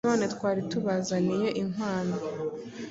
none twari tubazaniye inkwano.